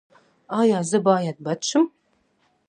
ایا زه باید بد شم؟